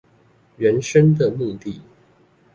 人生的目的